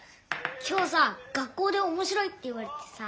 今日さ学校でおもしろいって言われてさ。